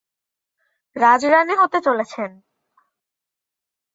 রাজরানী হতে চলেছেন!